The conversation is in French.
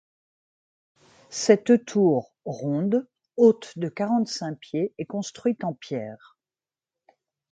Cette tour ronde, haute de quarante-cinq pieds, est construite en pierre.